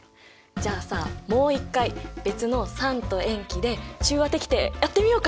じゃあさもう一回別の酸と塩基で中和滴定やってみようか？